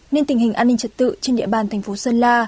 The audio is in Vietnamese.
nên tình hình an ninh trật tự trên địa bàn thành phố sơn la